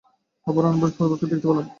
আবারো আলব্রুজ পর্বতকে দেখতে পেলাম।